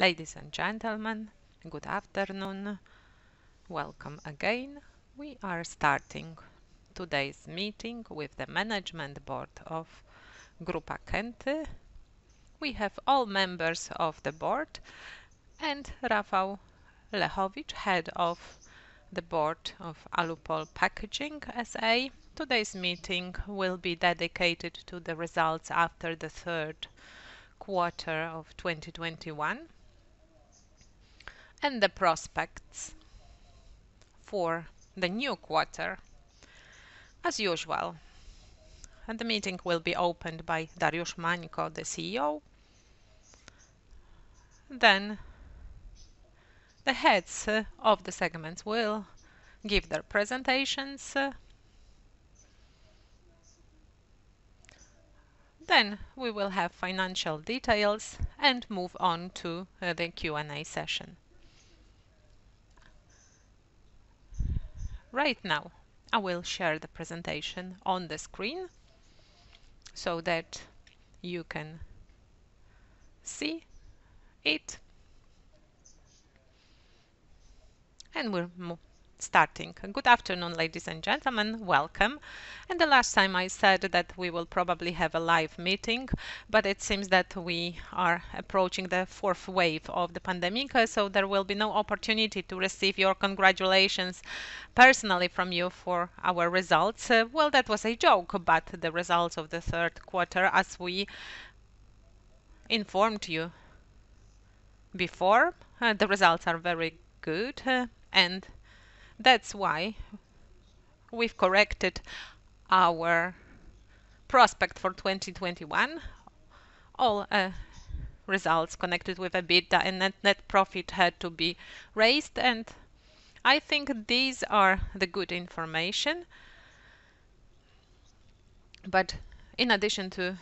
Ladies and gentlemen, good afternoon. Welcome again. We are starting today's meeting with the management board of Grupa Kęty. We have all members of the board and Rafał Lechowicz, Head of the Board of Alupol Packaging S.A. Today's meeting will be dedicated to the results after the third quarter of 2021 and the prospects for the new quarter as usual. The meeting will be opened by Dariusz Mańko, the CEO, then the Heads of the segments will give their presentations. Then we will have financial details and move on to the Q&A session. Right now, I will share the presentation on the screen so that you can see it and we're starting. Good afternoon, ladies and gentlemen. Welcome. The last time I said that we will probably have a live meeting, it seems that we are approaching the fourth wave of the pandemic, there will be no opportunity to receive your congratulations personally from you for our results. Well, that was a joke, the results of the third quarter, as we informed you before, the results are very good, that's why we've corrected our prospect for 2021. All results connected with EBITDA and net profit had to be raised, I think these are the good information. In addition to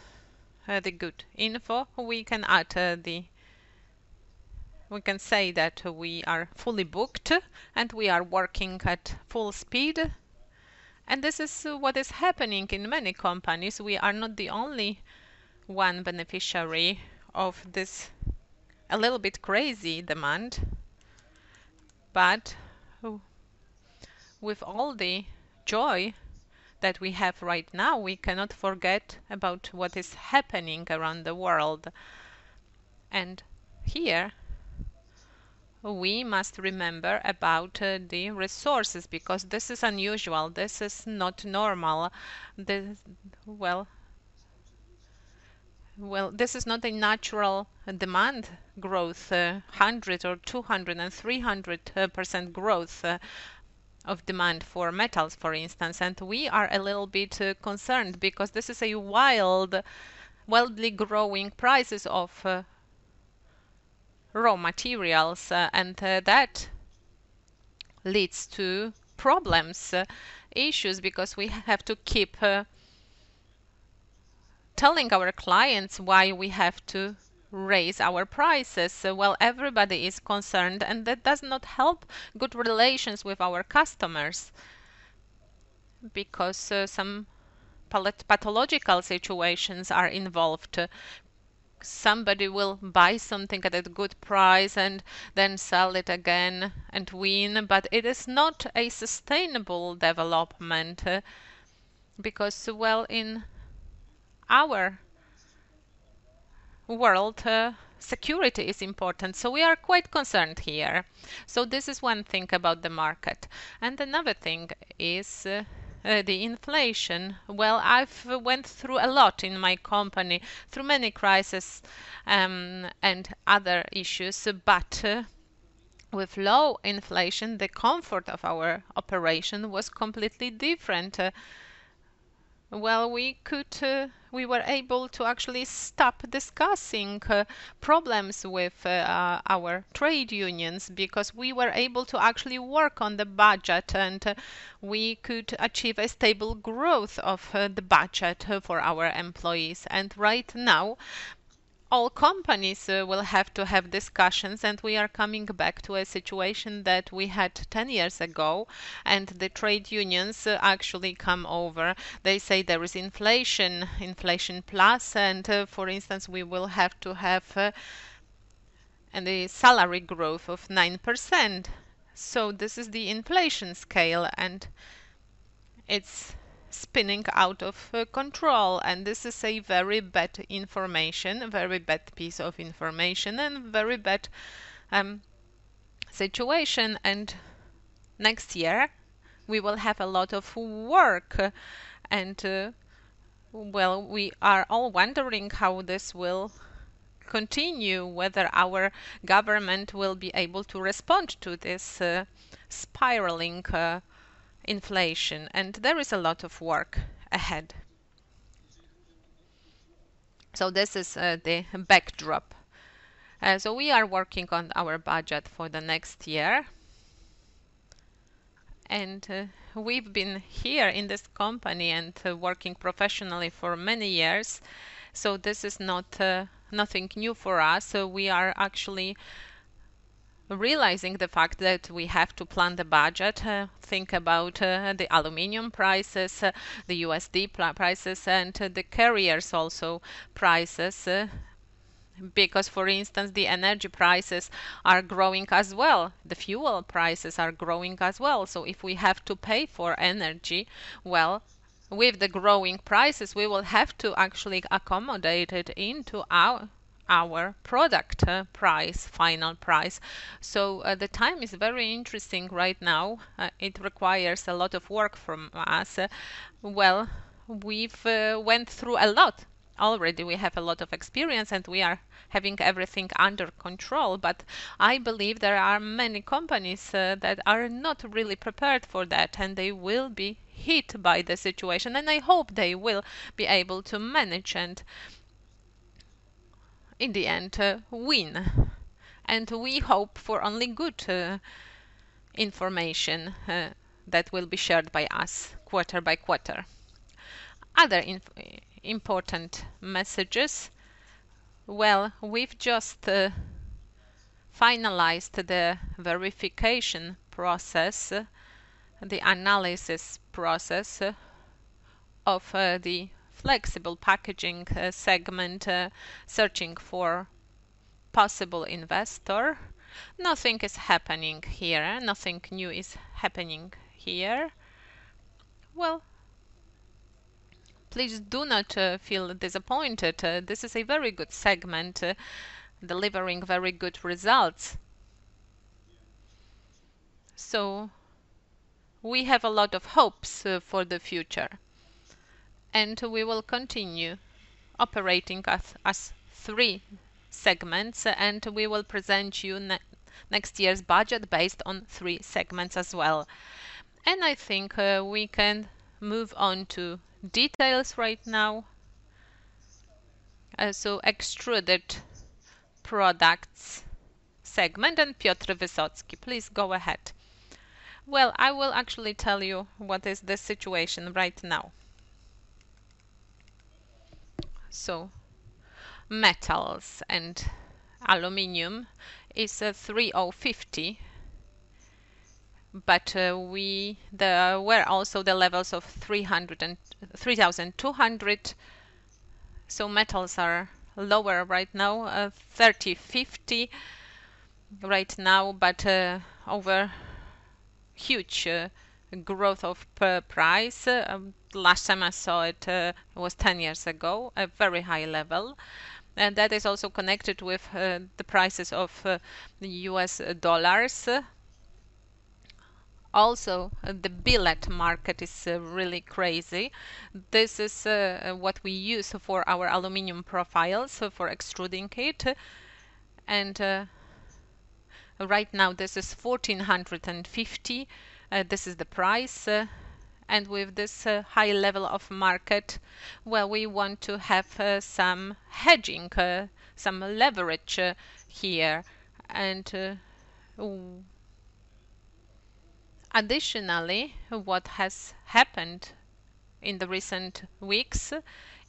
the good info, we can say that we are fully booked, we are working at full speed. This is what is happening in many companies. We are not the only one beneficiary of this a little bit crazy demand, but with all the joy that we have right now, we cannot forget about what is happening around the world. Here we must remember about the resources because this is unusual. This is not normal. This is not a natural demand growth, 100% or 200% and 300% growth of demand for metals, for instance. We are a little bit concerned because this is a wildly growing prices of raw materials and that leads to problems, issues because we have to keep telling our clients why we have to raise our prices. Everybody is concerned and that does not help good relations with our customers because some pathological situations are involved. Somebody will buy something at a good price and then sell it again and win but it is not a sustainable development because in our world, security is important. We are quite concerned here. This is one thing about the market. Another thing is the inflation. I've went through a lot in my company, through many crisis and other issues, but with low inflation, the comfort of our operation was completely different. We were able to actually stop discussing problems with our trade unions because we were able to actually work on the budget and we could achieve a stable growth of the budget for our employees. Right now, all companies will have to have discussions and we are coming back to a situation that we had 10 years ago and the trade unions actually come over. They say there is inflation plus. For instance, we will have to have the salary growth of 9%. This is the inflation scale and it's spinning out of control. This is a very bad information, a very bad piece of information and very bad situation. Next year, we will have a lot of work. We are all wondering how this will continue, whether our government will be able to respond to this spiraling inflation. There is a lot of work ahead. This is the backdrop. We are working on our budget for the next year. We've been here in this company and working professionally for many years. This is nothing new for us. We are actually realizing the fact that we have to plan the budget, think about the aluminum prices, the USD prices, the carriers also prices. For instance, the energy prices are growing as well, the fuel prices are growing as well. If we have to pay for energy, well, with the growing prices, we will have to actually accommodate it into our product price, final price. The time is very interesting right now. It requires a lot of work from us. Well, we've went through a lot already. We have a lot of experience and we are having everything under control. I believe there are many companies that are not really prepared for that and they will be hit by the situation. I hope they will be able to manage and in the end, win. We hope for only good information that will be shared by us quarter-by-quarter. Other important messages. Well, we've just finalized the verification process, the analysis process of the Flexible Packaging Segment, searching for possible investor. Nothing is happening here. Nothing new is happening here. Well, please do not feel disappointed. This is a very good segment, delivering very good results. We have a lot of hopes for the future and we will continue operating as three segments, and we will present you next year's budget based on three segments as well. I think we can move on to details right now. Extruded Products Segment and Piotr Wysocki, please go ahead. Well, I will actually tell you what is the situation right now. Metals and aluminium is at $3,050 but there were also the levels of $3,200. Metals are lower right now, $3,050 right now but over huge growth of per price. Last time I saw it was 10 years ago, a very high level. That is also connected with the prices of the U.S. dollars. The billet market is really crazy. This is what we use for our aluminum profiles for extruding it and right now this is 1,450. This is the price. With this high level of market, well, we want to have some hedging, some leverage here. Additionally, what has happened in the recent weeks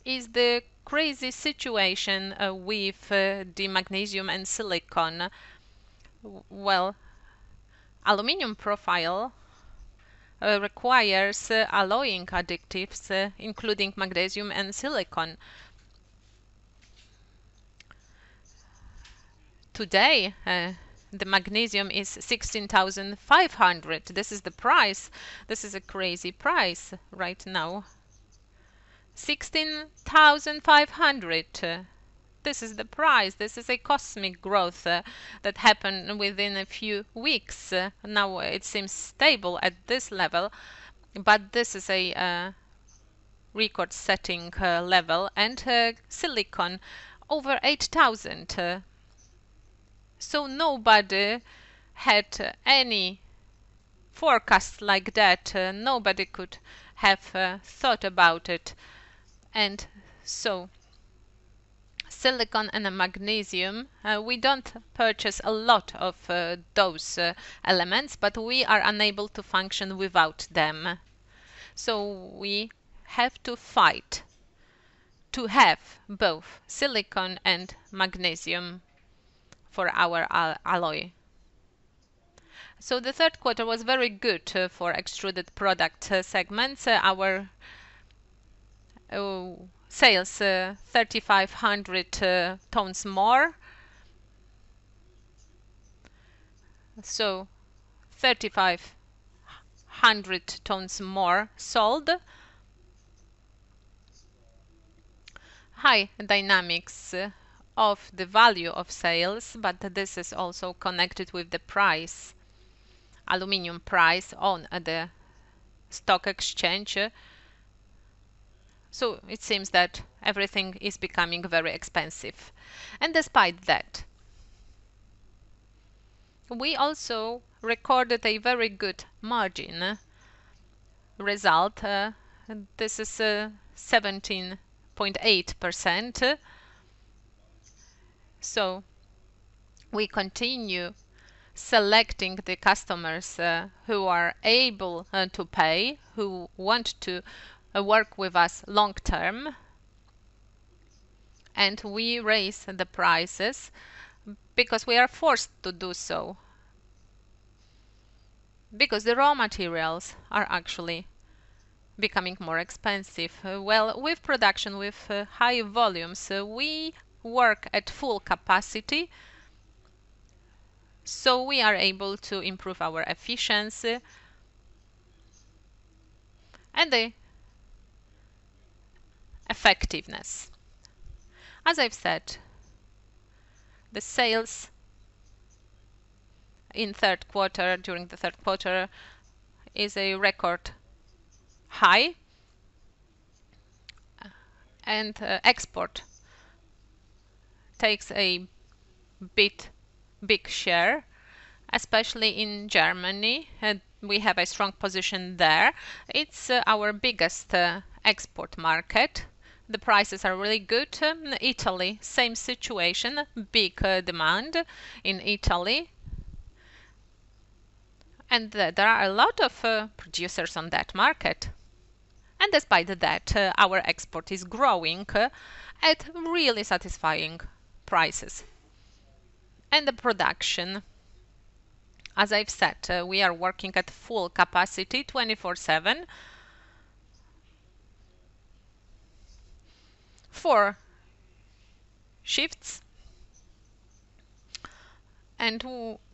is the crazy situation with the magnesium and silicon. Well, aluminum profile requires alloying additives, including magnesium and silicon. Today, the magnesium is 16,500. This is the price. This is a crazy price right now. 16,500. This is the price. This is a cosmic growth that happened within a few weeks. Now it seems stable at this level, but this is a record-setting level and silicon over 8,000. Nobody had any forecast like that. Nobody could have thought about it. Silicon and magnesium, we don't purchase a lot of those elements but we are unable to function without them. We have to fight to have both silicon and magnesium for our alloy. The third quarter was very good for Extruded Products segments. Our sales 3,500 tons more. 3,500 tons more sold. High dynamics of the value of sales but this is also connected with the price, aluminum price on the stock exchange. It seems that everything is becoming very expensive. Despite that, we also recorded a very good margin result. This is 17.8%. We continue selecting the customers who are able to pay, who want to work with us long-term. We raise the prices because we are forced to do so, because the raw materials are actually becoming more expensive. Well, with production, with high volumes, we work at full capacity, so we are able to improve our efficiency and the effectiveness. As I've said, the sales during the third quarter is a record high and export takes a big share, especially in Germany. We have a strong position there. It's our biggest export market. The prices are really good. In Italy, same situation, big demand in Italy. There are a lot of producers on that market. Despite that, our export is growing at really satisfying prices. The production, as I've said, we are working at full capacity 24/7, four shifts.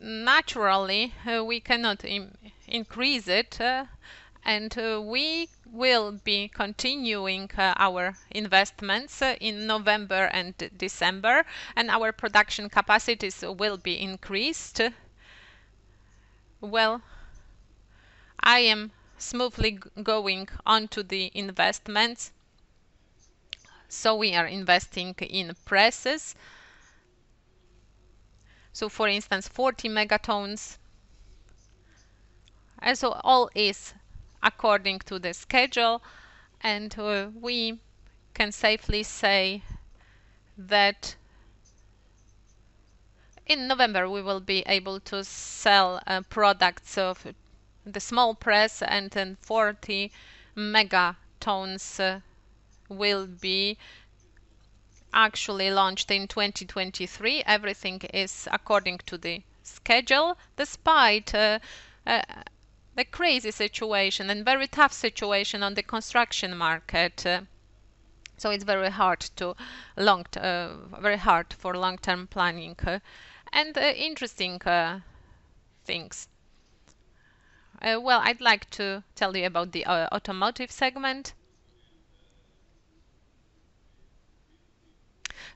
Naturally, we cannot increase it, and we will be continuing our investments in November and December, and our production capacities will be increased. Well, I am smoothly going on to the investments. We are investing in presses. For instance, 40 MN, all is according to the schedule, and we can safely say that in November we will be able to sell products of the small press, and then 40 MN will be actually launched in 2023. Everything is according to the schedule, despite the crazy situation and very tough situation on the construction market. It's very hard for long-term planning. Interesting things. Well, I'd like to tell you about the Automotive segment.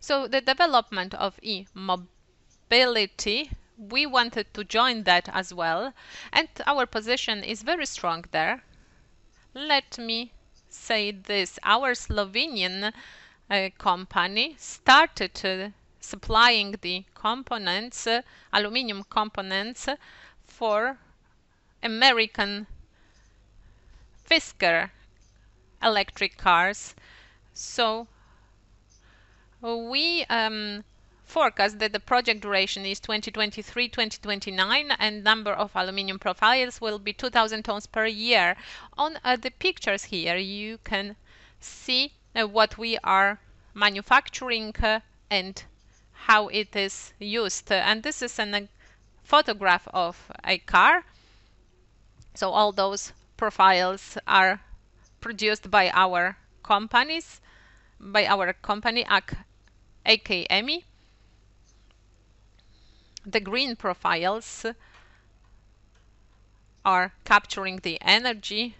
The development of e-mobility, we wanted to join that as well, and our position is very strong there. Let me say this. Our Slovenian company started supplying the aluminum components for American Fisker electric cars. We forecast that the project duration is 2023, 2029, and number of aluminum profiles will be 2,000 tons per year. On the pictures here, you can see what we are manufacturing and how it is used. This is a photograph of a car. All those profiles are produced by our company, AK EMMI. The green profiles are capturing the energy.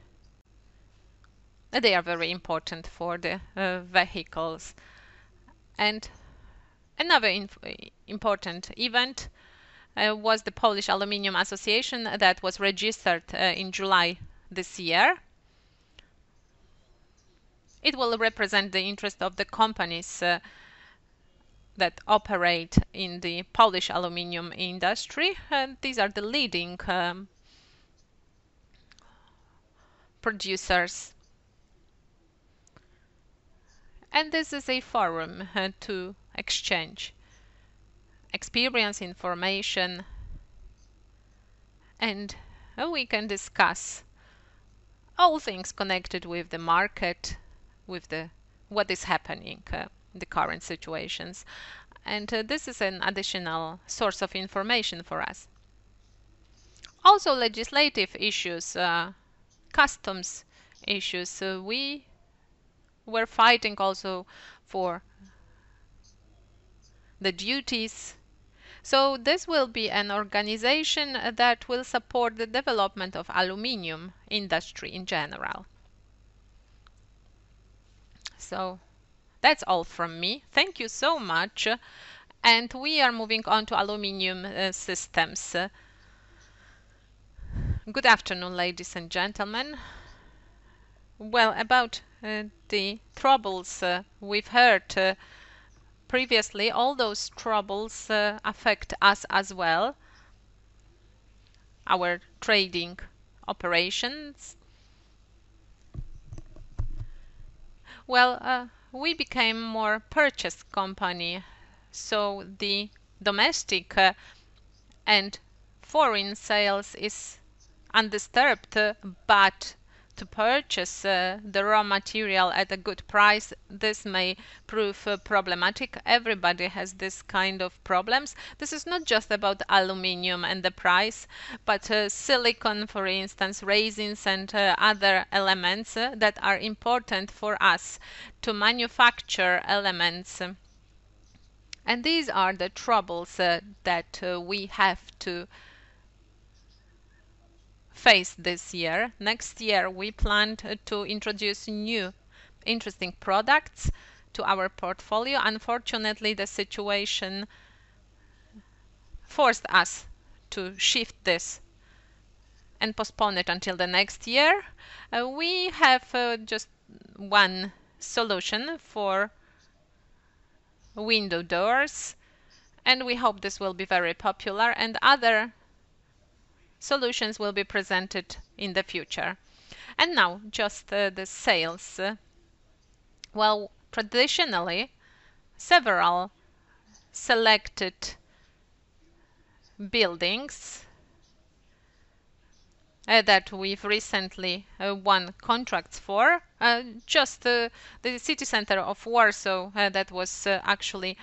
They are very important for the vehicles. Another important event was the Polish Aluminum Association that was registered in July this year. It will represent the interest of the companies that operate in the Polish aluminum industry. These are the leading producers. This is a forum to exchange experience, information, and we can discuss all things connected with the market, with what is happening, the current situations. This is an additional source of information for us. Also, legislative issues, customs issues. We're fighting also for the duties. This will be an organization that will support the development of aluminum industry in general. That's all from me. Thank you so much. We are moving on to Aluminium Systems. Good afternoon, ladies and gentlemen. Well, about the troubles we've heard previously, all those troubles affect us as well, our trading operations. Well, we became more purchase company, so the domestic and foreign sales is undisturbed, but to purchase the raw material at a good price, this may prove problematic. Everybody has this kind of problems. This is not just about aluminum and the price, but silicon, for instance, resins, and other elements that are important for us to manufacture elements. These are the troubles that we have to face this year. Next year, we plan to introduce new interesting products to our portfolio. Unfortunately, the situation forced us to shift this and postpone it until the next year. We have just one solution for window doors, and we hope this will be very popular, and other solutions will be presented in the future. Now just the sales. Well, traditionally, several selected buildings that we've recently won contracts for, just the city center of Warsaw that was actually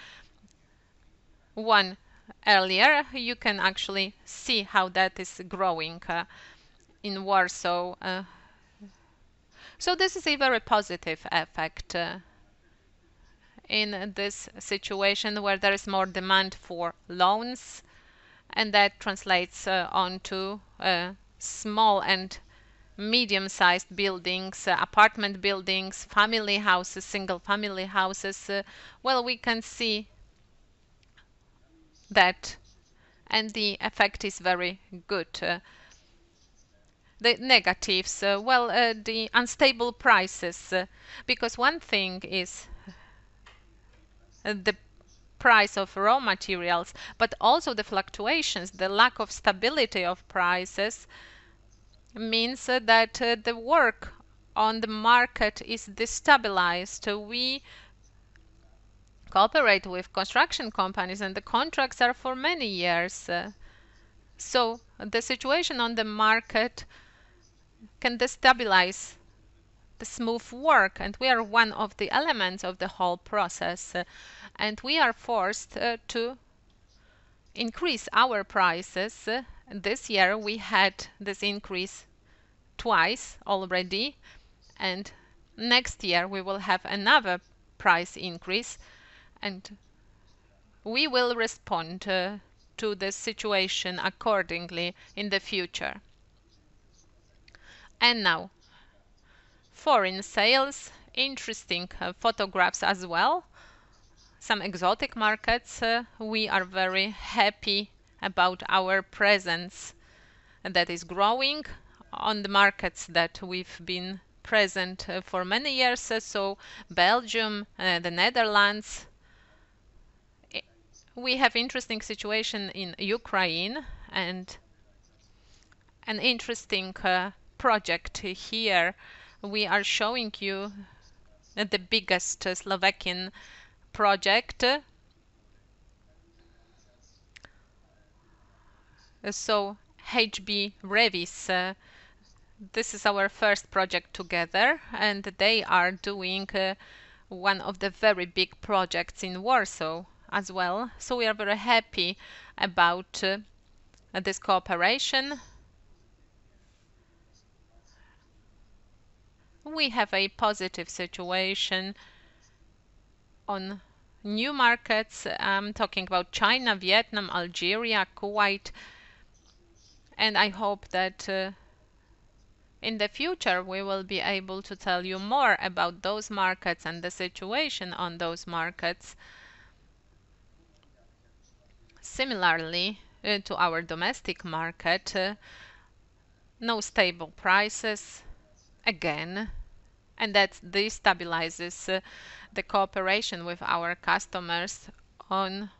won earlier. You can actually see how that is growing in Warsaw. This is a very positive effect in this situation where there is more demand for loans, and that translates onto small and medium-sized buildings, apartment buildings, family houses, single-family houses. Well, we can see that, and the effect is very good. The negatives. Well, the unstable prices because one thing is the price of raw materials, but also the fluctuations, the lack of stability of prices means that the work on the market is destabilized. We cooperate with construction companies, the contracts are for many years. The situation on the market can destabilize the smooth work, and we are one of the elements of the whole process. We are forced to increase our prices. This year we had this increase twice already. Next year we will have another price increase. We will respond to the situation accordingly in the future. Now foreign sales, interesting photographs as well, some exotic markets. We are very happy about our presence that is growing on the markets that we've been present for many years. Belgium, the Netherlands. We have interesting situation in Ukraine and an interesting project here. We are showing you the biggest Slovakian project. HB Reavis, this is our first project together, and they are doing one of the very big projects in Warsaw as well. We are very happy about this cooperation. We have a positive situation on new markets. I am talking about China, Vietnam, Algeria, Kuwait, and I hope that in the future, we will be able to tell you more about those markets and the situation on those markets. Similarly to our domestic market, no stable prices again, and that destabilizes the cooperation with our customers on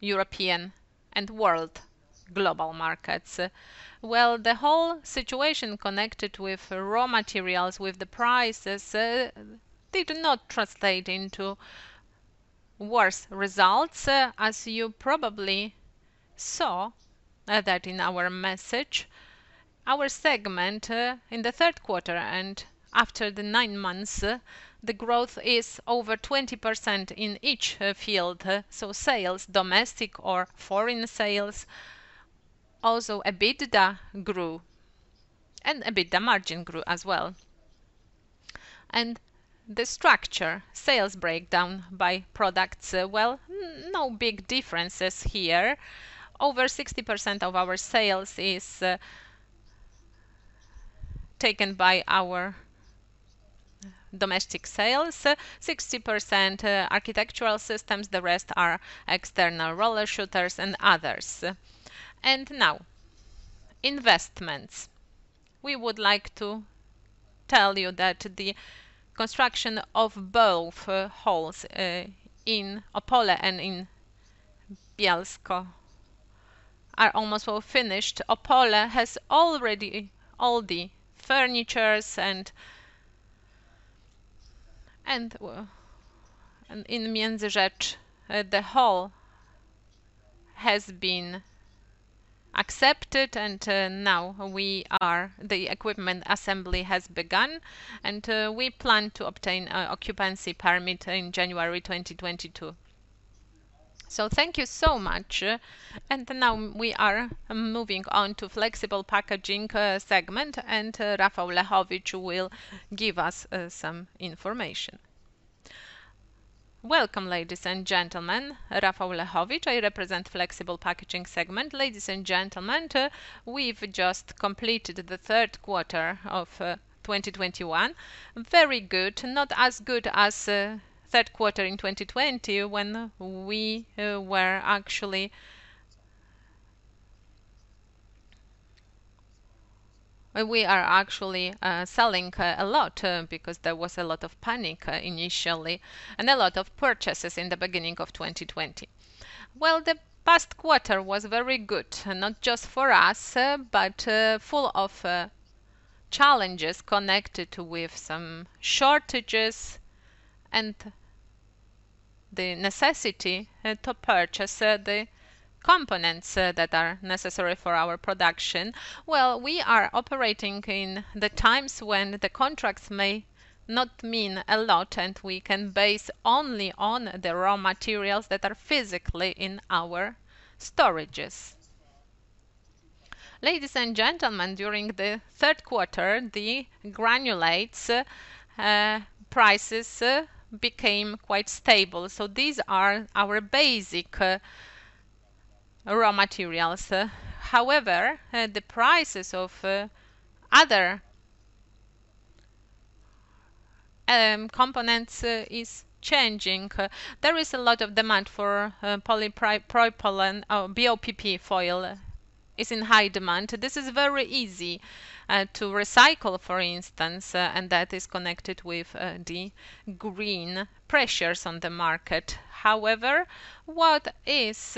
European and world global markets. The whole situation connected with raw materials, with the prices, did not translate into worse results. As you probably saw that in our message, our segment in the third quarter and after the nine months, the growth is over 20% in each field. Sales, domestic or foreign sales, also EBITDA grew and EBITDA margin grew as well. The structure sales breakdown by products, no big differences here. Over 60% of our sales is taken by our domestic sales, 60% architectural systems, the rest are external roller shutters and others. Now, investments. We would like to tell you that the construction of both halls in Opole and in Bielsko are almost finished. Opole has already all the furnitures. In Międzyrzecz, the hall has been accepted and now the equipment assembly has begun, and we plan to obtain an occupancy permit in January 2022. Thank you so much. Now we are moving on to Flexible Packaging Segment, and Rafał Lechowicz will give us some information. Welcome, ladies and gentlemen. Rafał Lechowicz, I represent Flexible Packaging Segment. Ladies and gentlemen, we've just completed the third quarter of 2021. Very good. Not as good as third quarter in 2020, when we were actually selling a lot because there was a lot of panic initially and a lot of purchases in the beginning of 2020. Well, the past quarter was very good, not just for us, but full of challenges connected with some shortages and the necessity to purchase the components that are necessary for our production. Well, we are operating in the times when the contracts may not mean a lot, and we can base only on the raw materials that are physically in our storages. Ladies and gentlemen, during the third quarter, the granulates prices became quite stable. These are our basic raw materials. However, the prices of other components is changing. There is a lot of demand for polypropylene, BOPP foil is in high demand. This is very easy to recycle, for instance, and that is connected with the green pressures on the market. What is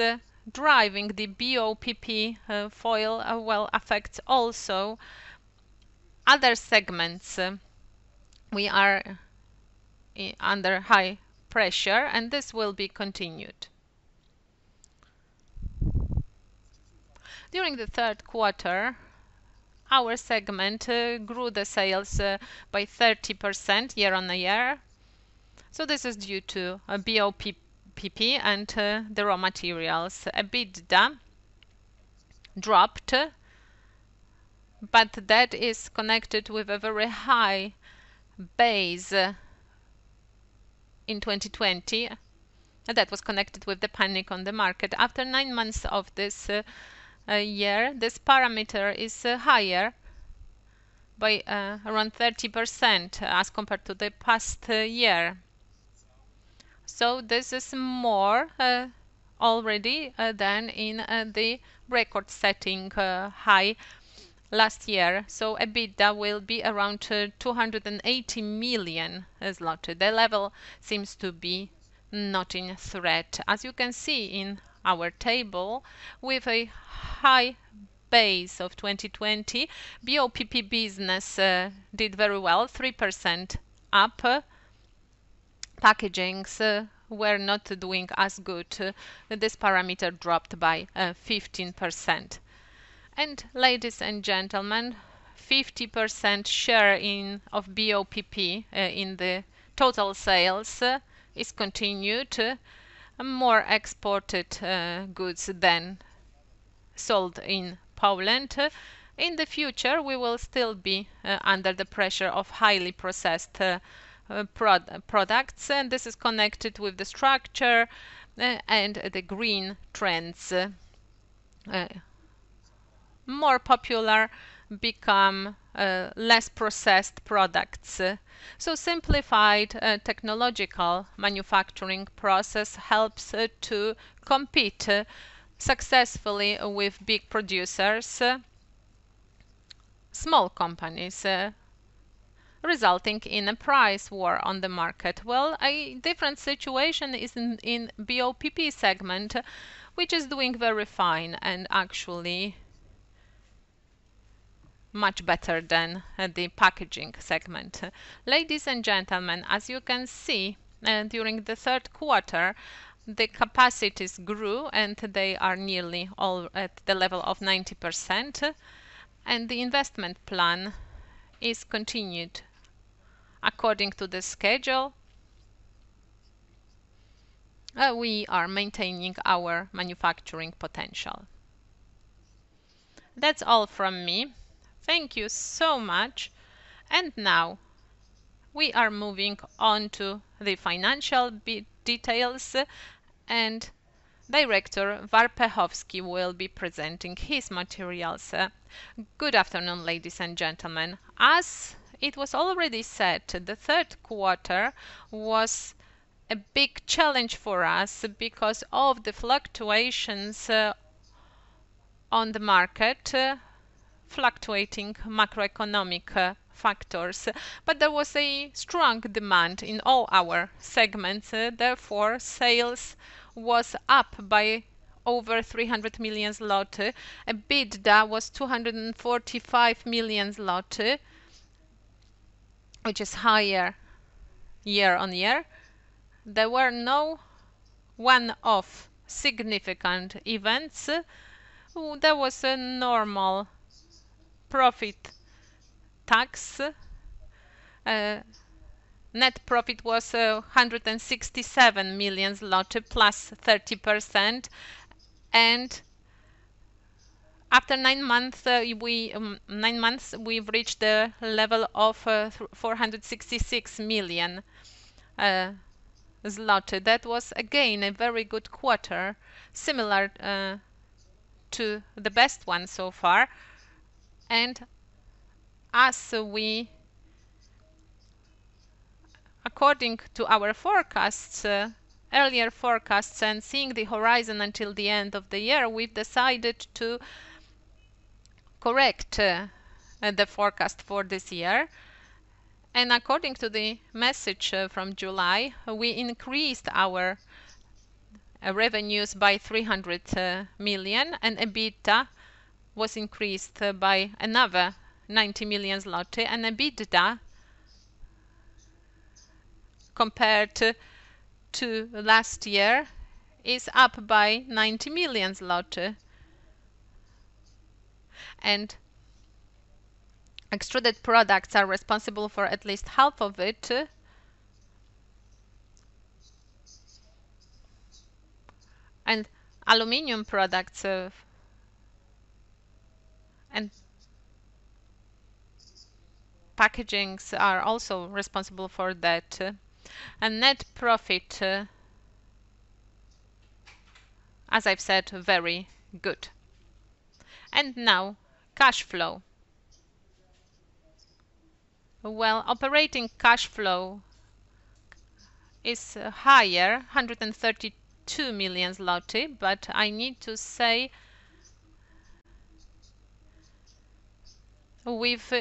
driving the BOPP foil well affects also other segments. We are under high pressure. This will be continued. During the third quarter, our segment grew the sales by 30% year-over-year. This is due to BOPP and the raw materials. EBITDA dropped. That is connected with a very high base in 2020 that was connected with the panic on the market. After nine months of this year, this parameter is higher by around 30% as compared to the past year. This is more already than in the record-setting high last year. EBITDA will be around 280 million. The level seems to be not in threat. As you can see in our table, with a high base of 2020, BOPP business did very well, 3% up. Packagings were not doing as good. This parameter dropped by 15%. Ladies and gentlemen, 50% share of BOPP in the total sales is continued, more exported goods than sold in Poland. In the future, we will still be under the pressure of highly processed products, this is connected with the structure and the green trends. More popular become less processed products. Simplified technological manufacturing process helps to compete successfully with big producers, small companies, resulting in a price war on the market. Well, a different situation is in BOPP segment, which is doing very fine and actually much better than the Packaging segment. Ladies and gentlemen, as you can see, during the third quarter, the capacities grew, and they are nearly all at the level of 90%. The investment plan is continued according to the schedule. We are maintaining our manufacturing potential. That's all from me. Thank you so much. Now we are moving on to the financial details, and Director Warpechowski will be presenting his materials. Good afternoon, ladies and gentlemen. As it was already said, the third quarter was a big challenge for us because of the fluctuations on the market, fluctuating macroeconomic factors. There was a strong demand in all our segments, therefore, sales was up by over 300 million zlotys. EBITDA was 245 million zlotys, which is higher year-on-year. There were no one-off significant events. There was a normal profit tax. Net profit was 167 million zloty plus 30%. After 9 months, we've reached the level of 466 million. That was again, a very good quarter, similar to the best one so far. According to our earlier forecasts and seeing the horizon until the end of the year, we've decided to correct the forecast for this year. According to the message from July, we increased our revenues by 300 million, and EBITDA was increased by another 90 million zloty. EBITDA compared to last year is up by 90 million zloty. Extruded Products are responsible for at least half of it too. Aluminum products and packagings are also responsible for that. Net profit, as I've said, very good. Now cash flow. Well, operating cash flow is higher, 132 million zloty, but I need to say we've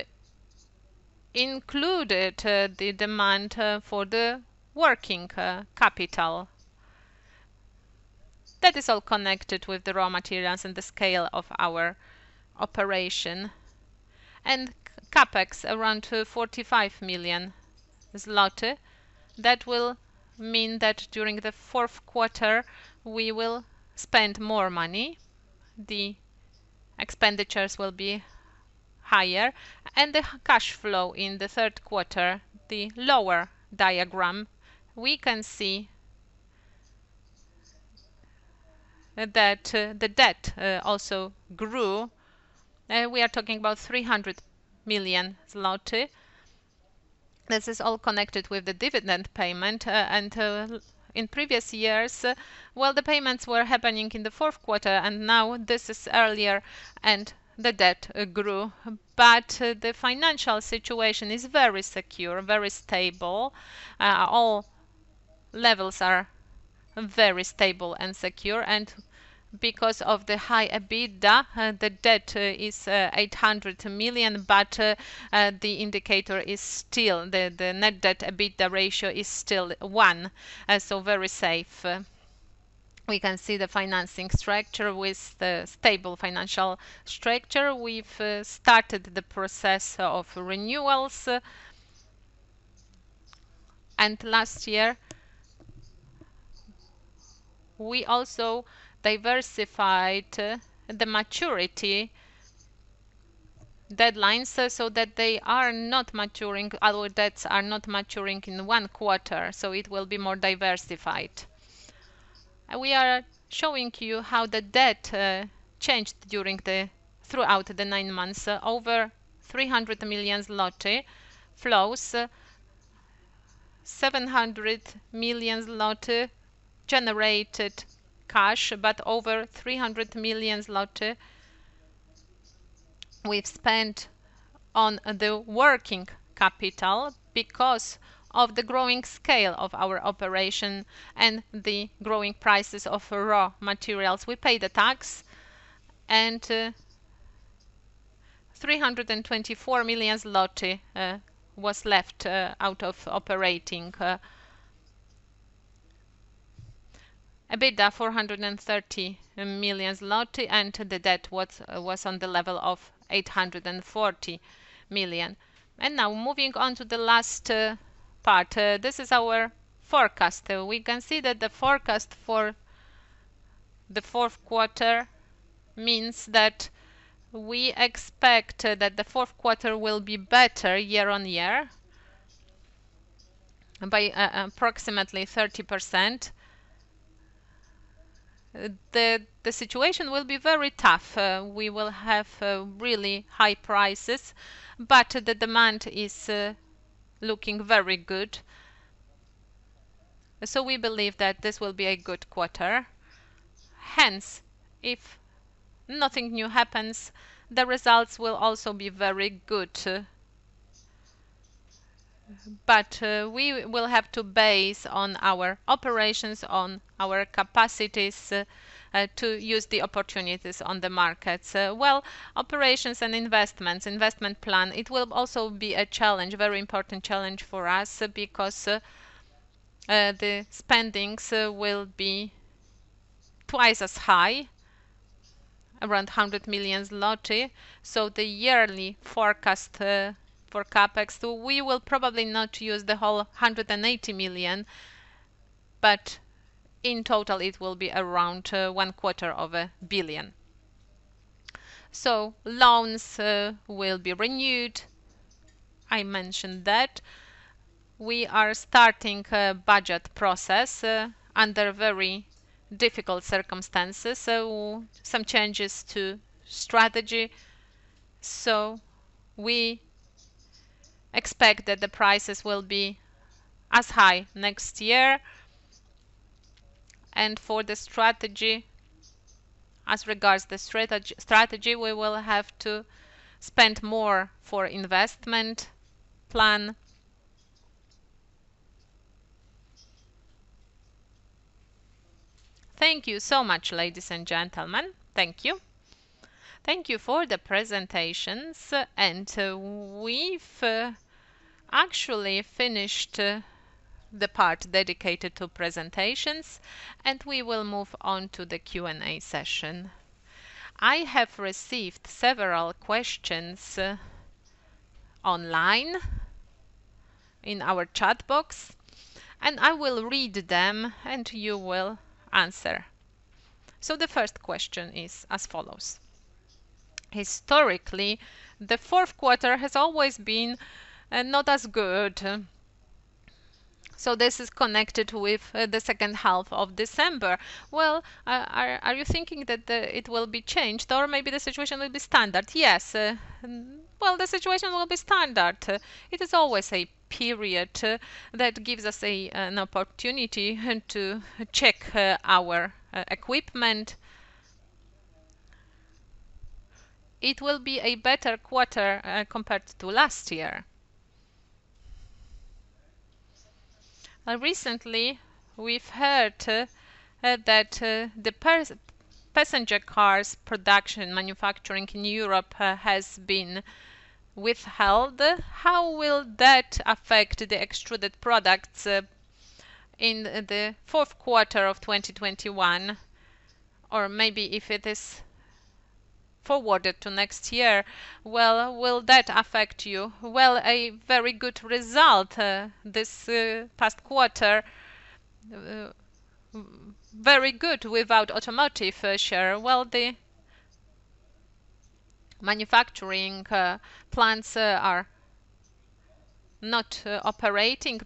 included the demand for the working capital. That is all connected with the raw materials and the scale of our operation. CapEx around 45 million zloty. That will mean that during the fourth quarter we will spend more money, the expenditures will be higher and the cash flow in the third quarter, the lower diagram, we can see that the debt also grew. We are talking about 300 million zloty. This is all connected with the dividend payment. In previous years, well, the payments were happening in the fourth quarter, and now this is earlier and the debt grew. The financial situation is very secure, very stable. All levels are very stable and secure and because of the high EBITDA, the debt is 800 million but the indicator, the net debt to EBITDA ratio is still 1, so very safe. We can see the financing structure with the stable financial structure. Last year we also diversified the maturity deadlines so that our debts are not maturing in one quarter, so it will be more diversified. We are showing you how the debt changed throughout the nine months. Over 300 million zloty flows, 700 million zloty generated cash but over 300 million zloty we've spent on the working capital because of the growing scale of our operation and the growing prices of raw materials. We paid the tax and 324 million zloty was left out of operating. EBITDA 430 million zloty and the debt was on the level of 840 million. Now moving on to the last part. This is our forecast. We can see that the forecast for the fourth quarter means that we expect that the fourth quarter will be better year-on-year by approximately 30%. The situation will be very tough. We will have really high prices, but the demand is looking very good, so we believe that this will be a good quarter. Hence, if nothing new happens, the results will also be very good. We will have to base on our operations, on our capacities, to use the opportunities on the markets. Well, operations and investments, investment plan, it will also be a challenge, very important challenge for us because the spendings will be twice as high. Around 100 million zloty. The yearly forecast for CapEx, we will probably not use the whole 180 million, but in total it will be around one-quarter of a billion. Loans will be renewed. I mentioned that we are starting a budget process under very difficult circumstances, so some changes to strategy. We expect that the prices will be as high next year. As regards the strategy, we will have to spend more for investment plan. Thank you so much, ladies and gentlemen. Thank you. Thank you for the presentations. We've actually finished the part dedicated to presentations. We will move on to the Q&A session. I have received several questions online in our chat box. I will read them and you will answer. The first question is as follows: Historically, the fourth quarter has always been not as good. This is connected with the second half of December. Are you thinking that it will be changed? Maybe the situation will be standard? Yes. The situation will be standard. It is always a period that gives us an opportunity to check our equipment. It will be a better quarter compared to last year. Recently, we've heard that the passenger cars production manufacturing in Europe has been withheld. How will that affect the Extruded Products in the fourth quarter of 2021? Maybe if it is forwarded to next year, will that affect you? A very good result this past quarter. Very good without automotive share. The manufacturing plants are not operating,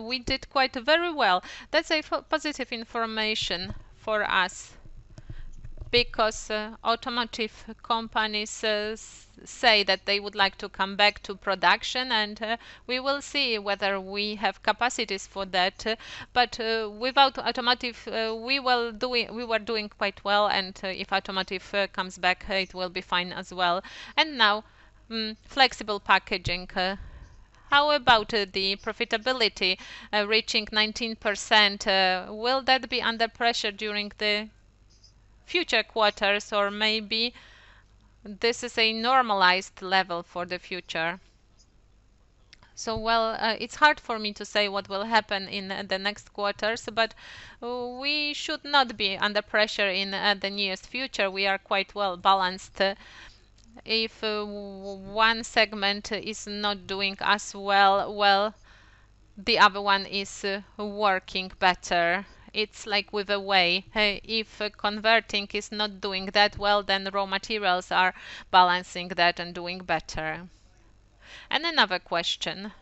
we did quite very well. That's a positive information for us because automotive companies say that they would like to come back to production, we will see whether we have capacities for that. Without automotive, we were doing quite well, if automotive comes back, it will be fine as well. Now, Flexible Packaging. How about the profitability reaching 19%? Will that be under pressure during the future quarters, maybe this is a normalized level for the future? Well, it's hard for me to say what will happen in the next quarters, but we should not be under pressure in the nearest future. We are quite well-balanced. If one segment is not doing as well, well, the other one is working better. It's like with a way. If converting is not doing that well, then the raw materials are balancing that and doing better. Another question.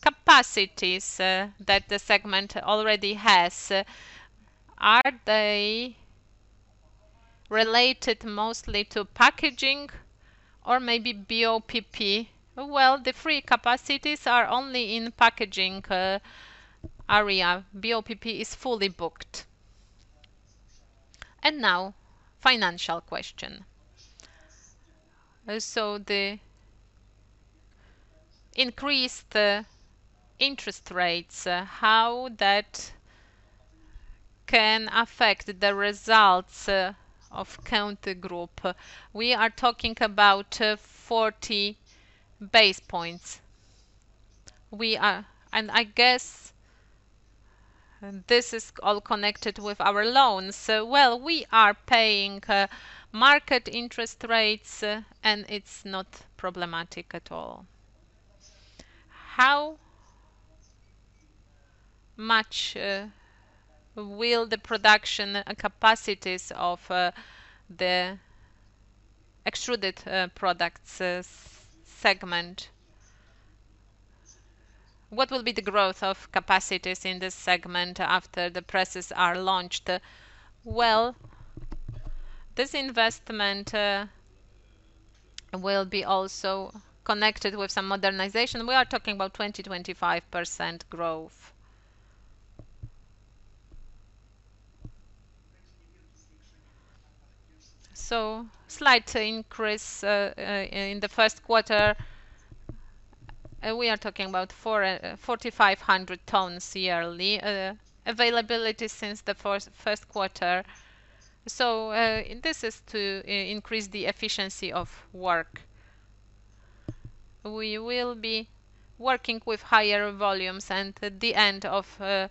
Capacities that the segment already has, are they related mostly to packaging or maybe BOPP? Well, the free capacities are only in packaging area. BOPP is fully booked. Now financial question. The increased interest rates, how that can affect the results of Grupa Kęty? We are talking about 40 basis points. I guess this is all connected with our loans. Well, we are paying market interest rates, and it's not problematic at all. What will be the growth of capacities in the Extruded Products Segment after the presses are launched? Well, this investment will be also connected with some modernization. We are talking about 20%-25% growth. Slight increase in the first quarter. We are talking about 4,500 tons yearly availability since the first quarter. This is to increase the efficiency of work. We will be working with higher volumes and the end of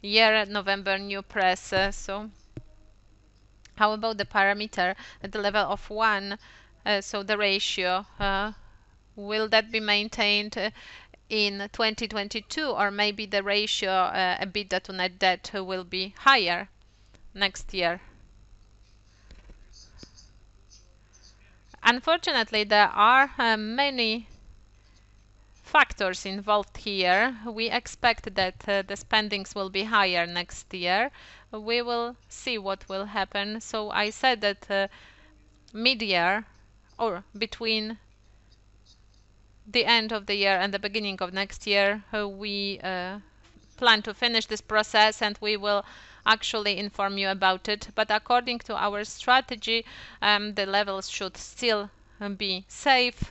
year, November, new presses. How about the parameter at the level of one, so the ratio, will that be maintained in 2022? Or maybe the ratio, EBITDA to net debt, will be higher next year? Unfortunately, there are many factors involved here. We expect that the spendings will be higher next year. We will see what will happen. I said that mid-year or between the end of the year and the beginning of next year, we plan to finish this process, and we will actually inform you about it. According to our strategy, the levels should still be safe.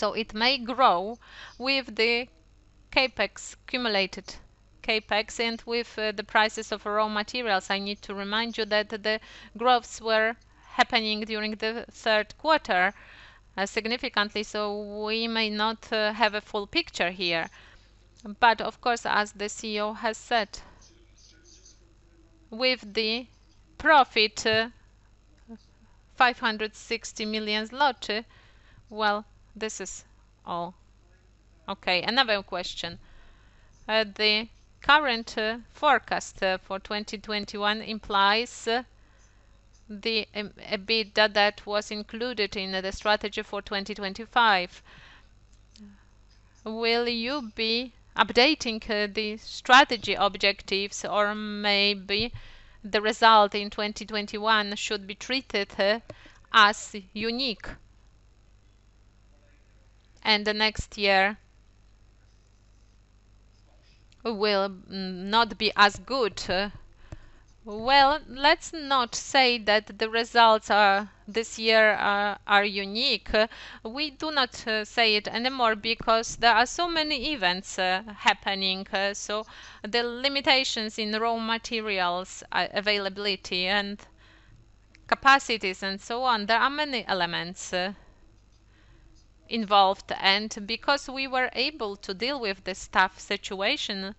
It may grow with the CapEx, accumulated CapEx, and with the prices of raw materials. I need to remind you that the growths were happening during the third quarter, significantly, so we may not have a full picture here. Of course, as the CEO has said, with the profit 560 million, well, this is all. Okay, another question. The current forecast for 2021 implies the EBITDA that was included in the strategy for 2025. Will you be updating the strategy objectives or maybe the result in 2021 should be treated as unique and the next year will not be as good? Well, let's not say that the results this year are unique. We do not say it anymore because there are so many events happening, so the limitations in raw materials availability and capacities and so on, there are many elements involved. Because we were able to deal with this tough situation,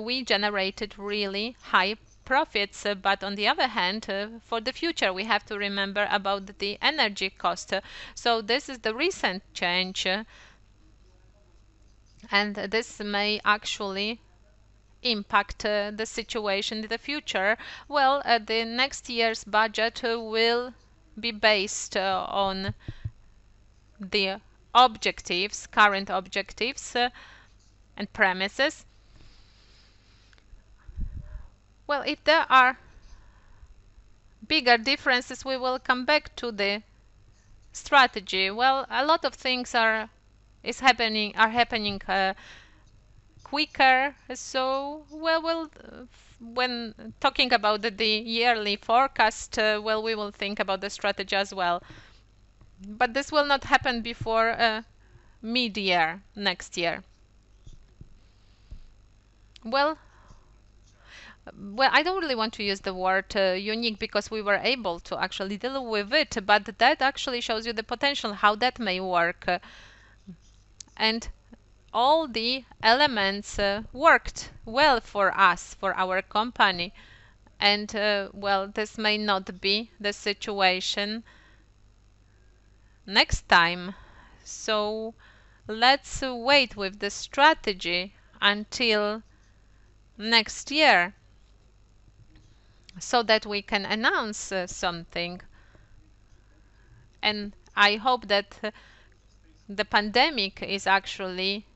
we generated really high profits. On the other hand, for the future, we have to remember about the energy cost. This is the recent change, and this may actually impact the situation in the future. Well, the next year's budget will be based on the objectives, current objectives, and premises. Well, if there are bigger differences, we will come back to the strategy. Well, a lot of things are happening quicker, so when talking about the yearly forecast, well, we will think about the strategy as well. This will not happen before mid-year next year. Well, I don't really want to use the word unique because we were able to actually deal with it, that actually shows you the potential, how that may work. All the elements worked well for us, for our company, and, well, this may not be the situation next time. Let's wait with the strategy until next year so that we can announce something. I hope that the pandemic is actually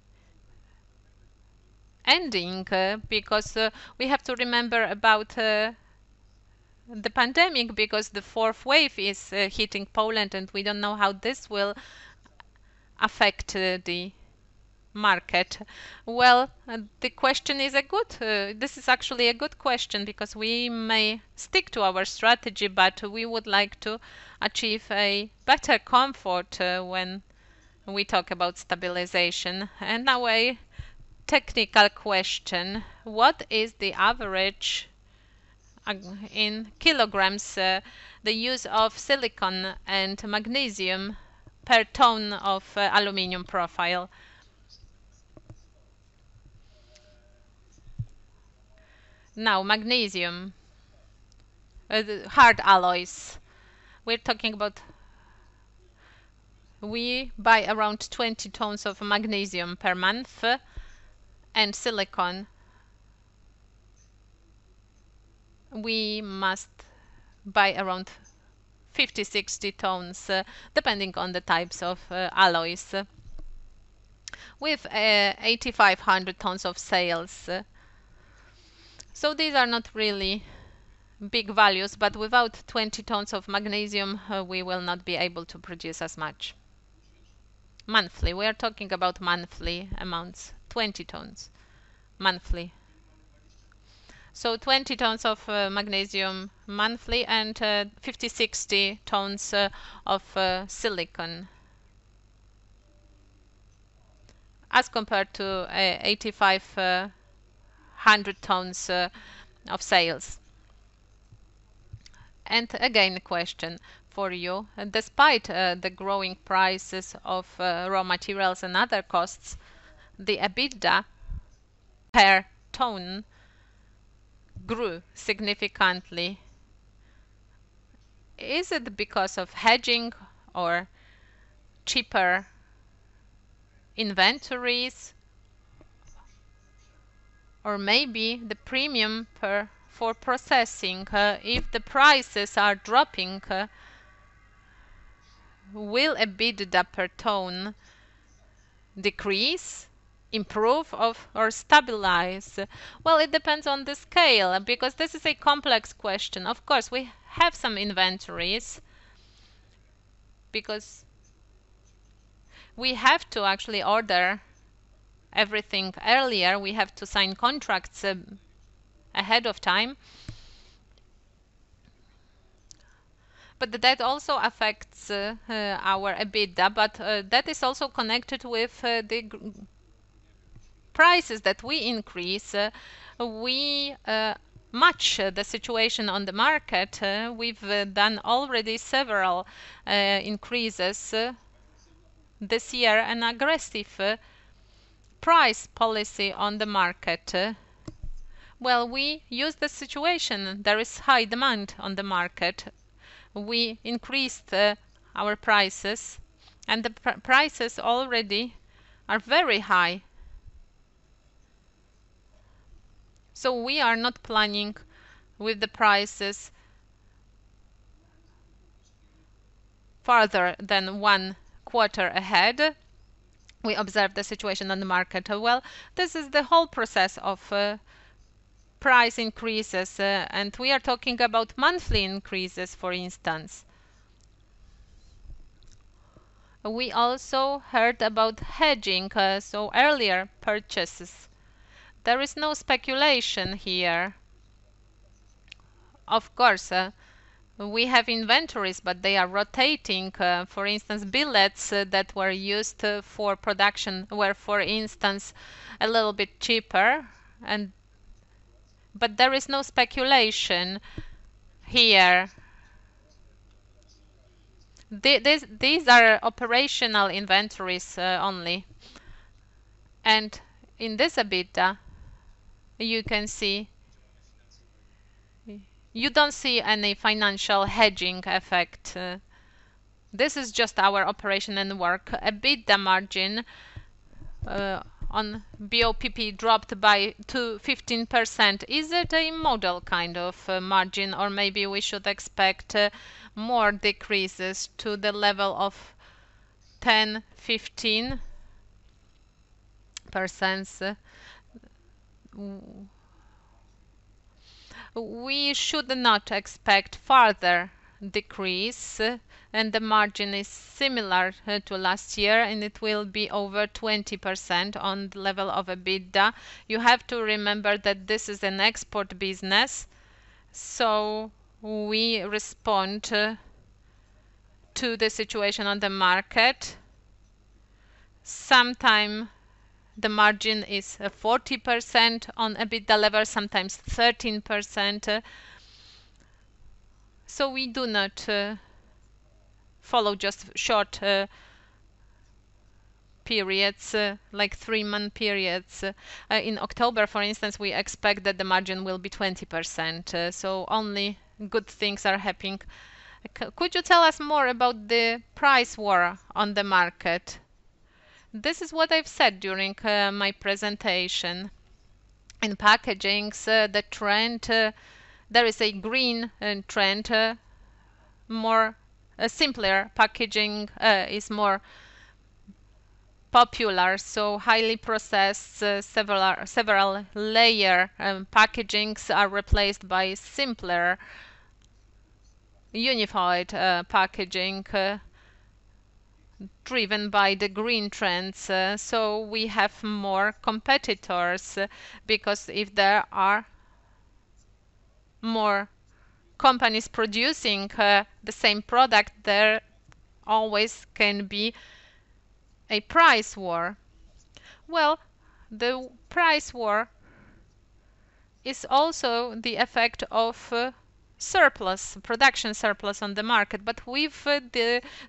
ending because we have to remember about the pandemic because the fourth wave is hitting Poland, and we don't know how this will affect the market. Well, the question is good. This is actually a good question because we may stick to our strategy, we would like to achieve a better comfort when we talk about stabilization. Now a technical question. What is the average, in kilograms, the use of silicon and magnesium per ton of aluminum profile? Magnesium, the hard alloys we're talking about, we buy around 20 tons of magnesium per month, and silicon, we must buy around 50, 60 tons, depending on the types of alloys, with 8,500 tons of sales. These are not really big values, but without 20 tons of magnesium, we will not be able to produce as much monthly. We are talking about monthly amounts, 20 tons monthly. 20 tons of magnesium monthly and 50, 60 tons of silicon. As compared to 8,500 tons of sales. Again, a question for you. Despite the growing prices of raw materials and other costs, the EBITDA per ton grew significantly. Is it because of hedging or cheaper inventories, or maybe the premium for processing? If the prices are dropping, will EBITDA per ton decrease, improve, or stabilize? It depends on the scale, because this is a complex question. Of course, we have some inventories because we have to actually order everything earlier. We have to sign contracts ahead of time. That also affects our EBITDA. That is also connected with the prices that we increase. We match the situation on the market. We've done already several increases this year, an aggressive price policy on the market. We use the situation. There is high demand on the market. We increased our prices, and the prices already are very high. We are not planning with the prices farther than one quarter ahead. We observe the situation on the market well. This is the whole process of price increases, and we are talking about monthly increases, for instance. We also heard about hedging, so earlier purchases. There is no speculation here. Of course, we have inventories, but they are rotating. For instance, billets that were used for production were, for instance, a little bit cheaper, but there is no speculation here. These are operational inventories only. In this EBITDA, you don't see any financial hedging effect. This is just our operation and work. EBITDA margin on BOPP dropped by 15%. Is it a model kind of margin, or maybe we should expect more decreases to the level of 10, 15%? We should not expect further decrease, and the margin is similar to last year, and it will be over 20% on the level of EBITDA. You have to remember that this is an export business, so we respond to the situation on the market. Sometimes the margin is 40% on EBITDA level, sometimes 13%. We do not follow just short periods like 3-month periods. In October, for instance, we expect that the margin will be 20%. Only good things are happening. Could you tell us more about the price war on the market? This is what I've said during my presentation. In packagings, there is a green trend, a simpler packaging is more popular. Highly processed, several-layer packagings are replaced by simpler, unified packaging driven by the green trends. We have more competitors because if there are more companies producing the same product, there always can be a price war. The price war is also the effect of surplus, production surplus on the market. We've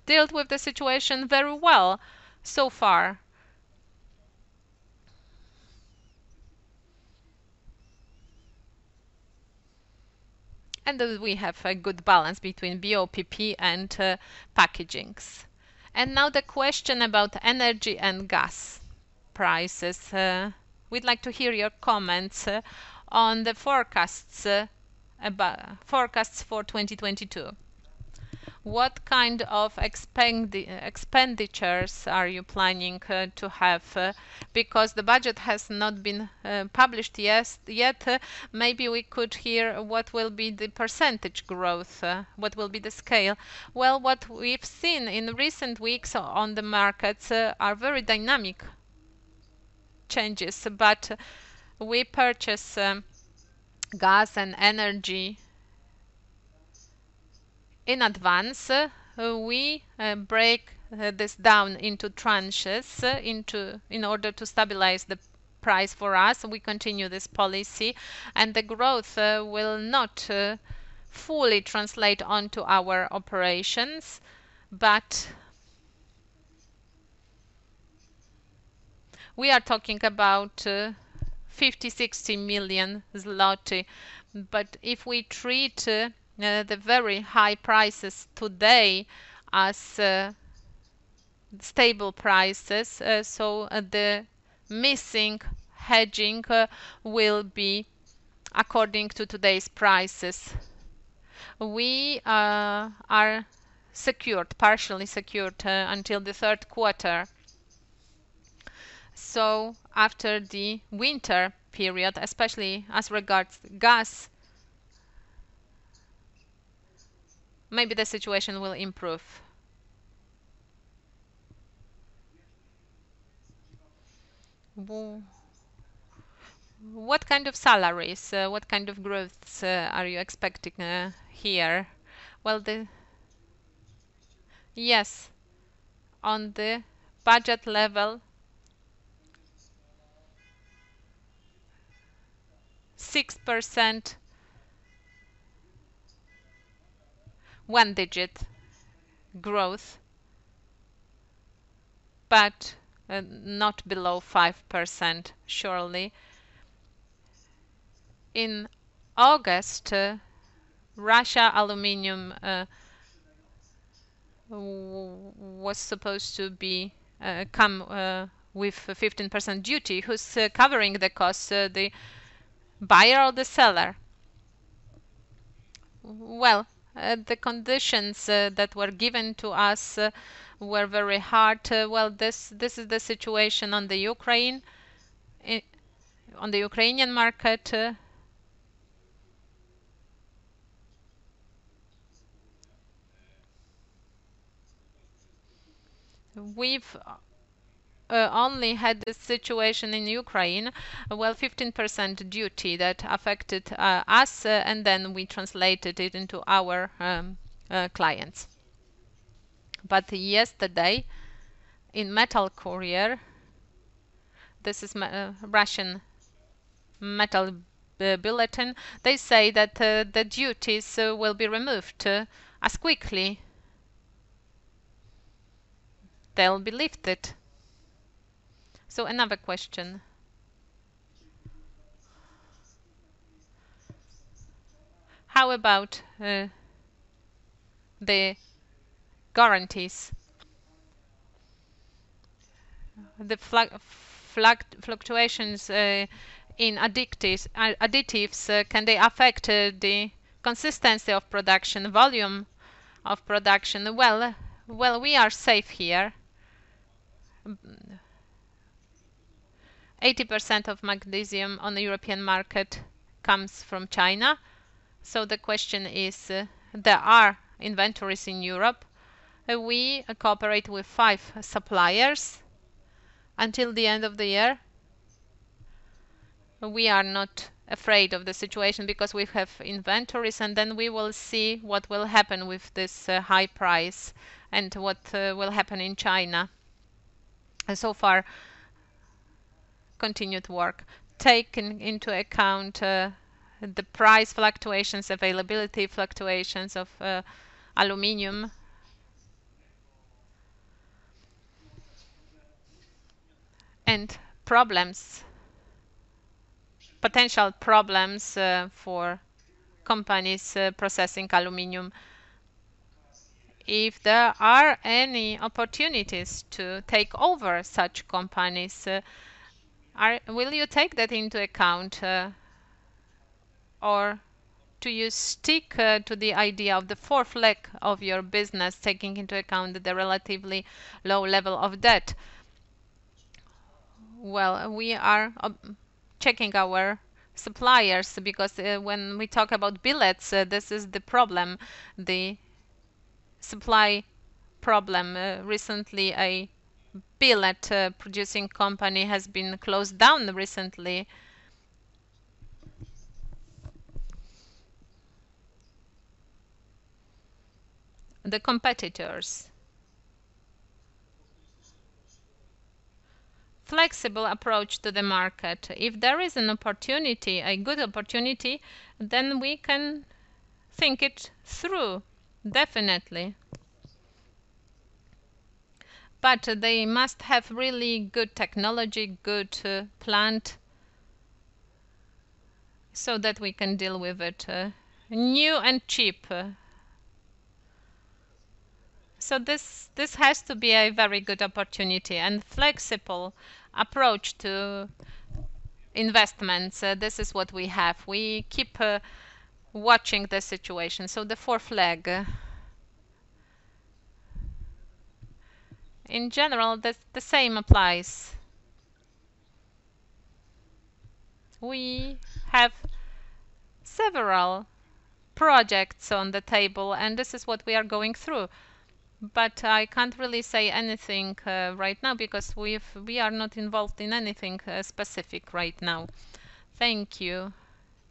dealt with the situation very well so far. We have a good balance between BOPP and packagings. Now the question about energy and gas prices. We'd like to hear your comments on the forecasts for 2022. What kind of expenditures are you planning to have? The budget has not been published yet, maybe we could hear what will be the percentage growth? What will be the scale? Well, what we've seen in recent weeks on the markets are very dynamic changes, but we purchase gas and energy in advance, we break this down into tranches in order to stabilize the price for us. We continue this policy, and the growth will not fully translate onto our operations, but we are talking about 50 million-60 million zloty. If we treat the very high prices today as stable prices, so the missing hedging will be according to today's prices. We are partially secured until the third quarter. After the winter period, especially as regards gas, maybe the situation will improve. What kind of salaries, what kind of growths are you expecting here? Yes, on the budget level, 6%, one-digit growth, but not below 5%, surely. In August, Russian aluminum was supposed to come with a 15% duty. Who's covering the cost, the buyer or the seller? Well, the conditions that were given to us were very hard. Well, this is the situation on the Ukrainian market. We've only had this situation in Ukraine, well, 15% duty that affected us, and then we translated it into our clients. Yesterday, in Metal Courier, this is a Russian Metal Bulletin, they say that the duties will be removed as quickly. They'll be lifted. Another question. How about the guarantees? The fluctuations in additives, can they affect the consistency of production, volume of production? Well, we are safe here. 80% of magnesium on the European market comes from China. The question is, there are inventories in Europe. We cooperate with five suppliers. Until the end of the year, we are not afraid of the situation because we have inventories, and then we will see what will happen with this high price and what will happen in China. So far, continued work. Taking into account the price fluctuations, availability fluctuations of aluminum, and potential problems for companies processing aluminum. If there are any opportunities to take over such companies, will you take that into account? Or do you stick to the idea of the fourth leg of your business, taking into account the relatively low level of debt? We are checking our suppliers because when we talk about billets, this is the problem, the supply problem. Recently, a billet-producing company has been closed down recently. The competitors. Flexible approach to the market. If there is an opportunity, a good opportunity, then we can think it through, definitely. They must have really good technology, good plant, so that we can deal with it. New and cheap. This has to be a very good opportunity and flexible approach to investments. This is what we have. We keep watching the situation. The fourth leg. In general, the same applies. We have several projects on the table, and this is what we are going through. I can't really say anything right now because we are not involved in anything specific right now. Thank you.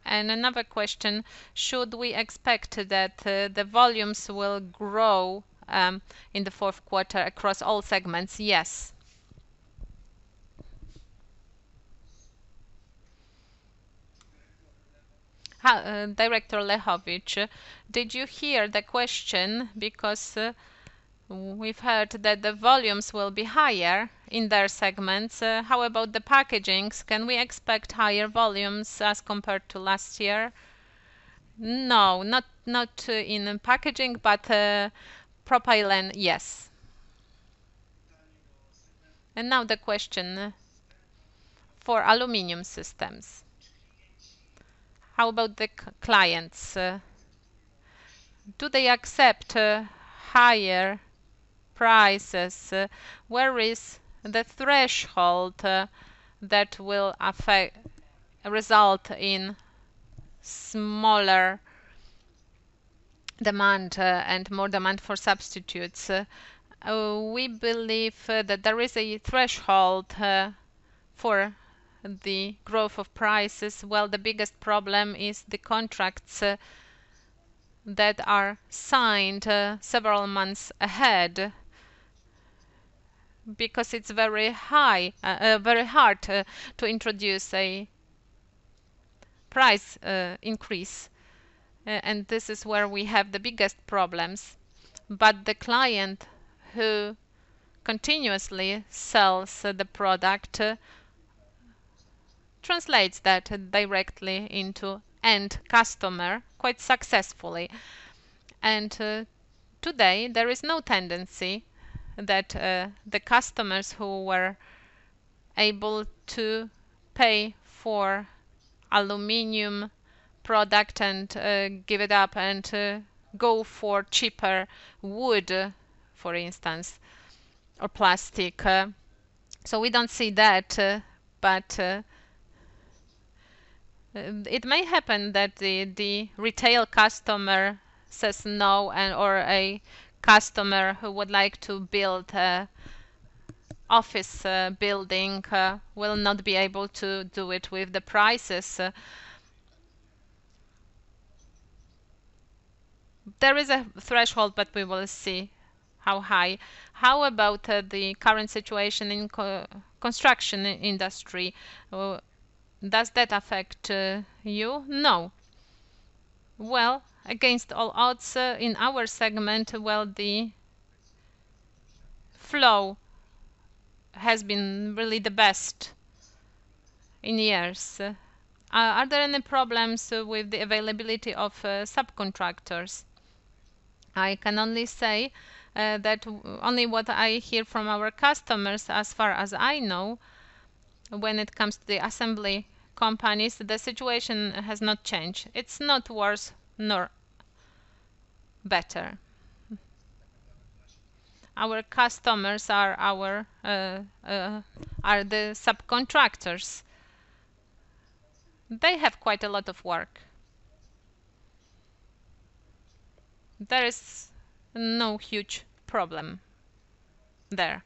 Another question. Should we expect that the volumes will grow in the fourth quarter across all segments? Yes. Director Lechowicz, did you hear the question? We've heard that the volumes will be higher in their segments. How about the packagings? Can we expect higher volumes as compared to last year? No, not in packaging, propylene, yes. Now the question for Aluminium Systems. How about the clients? Do they accept higher prices? Where is the threshold that will result in smaller demand and more demand for substitutes? We believe that there is a threshold for the growth of prices, while the biggest problem is the contracts that are signed several months ahead because it's very hard to introduce a price increase. This is where we have the biggest problems. The client who continuously sells the product translates that directly into end customer quite successfully. Today, there is no tendency that the customers who were able to pay for aluminum product and give it up and to go for cheaper wood, for instance, or plastic. We don't see that, but it may happen that the retail customer says no, or a customer who would like to build office building will not be able to do it with the prices. There is a threshold, but we will see how high. How about the current situation in construction industry? Does that affect you? No. Well, against all odds in our segment, well, the flow has been really the best in years. Are there any problems with the availability of subcontractors? I can only say that only what I hear from our customers as far as I know when it comes to the assembly companies, the situation has not changed. It's not worse nor better. Our customers are the subcontractors. They have quite a lot of work. There is no huge problem there.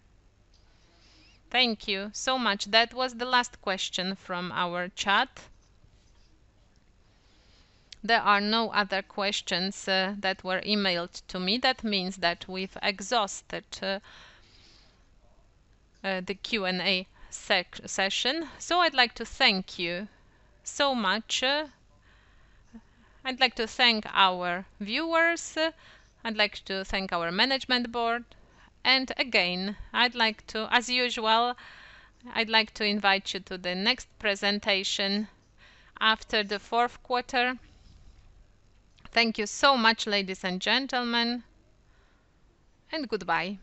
Thank you so much. That was the last question from our chat. There are no other questions that were emailed to me. That means that we've exhausted the Q&A session. I'd like to thank you so much. I'd like to thank our viewers, I'd like to thank our Management Board. Again, I'd like to, as usual, I'd like to invite you to the next presentation after the fourth quarter. Thank you so much, ladies and gentlemen, and goodbye.